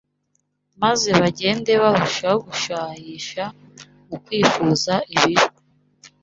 maze bagende barushaho gushayisha mu kwifuza ibibi.